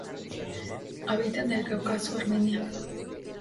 Habita en el Cáucaso, Armenia.